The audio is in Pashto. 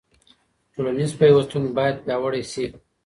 ټولنیز پیوستون باید پیاوړی سي.